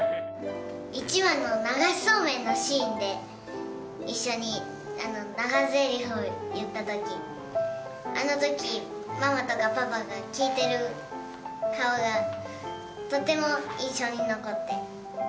・１話の流しそうめんのシーンで一緒に長ゼリフを言った時あの時ママとかパパが聞いてる顔がとても印象に残って。